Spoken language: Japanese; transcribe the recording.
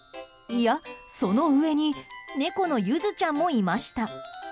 いや、その上に猫の柚ちゃんもいました。